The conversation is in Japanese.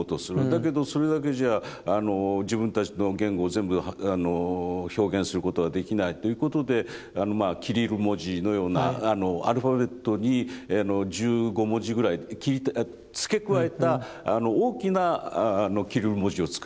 だけどそれだけじゃ自分たちの言語を全部表現することはできないということでキリル文字のようなアルファベットに１５文字ぐらい付け加えた大きなキリル文字をつくりますよね。